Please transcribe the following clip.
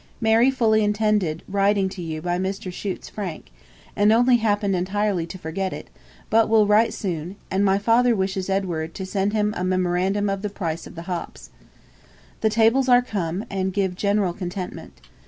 Mary fully intended writing to you by Mr. Chute's frank, and only happened entirely to forget it, but will write soon; and my father wishes Edward to send him a memorandum of the price of the hops. The tables are come, and give general contentment.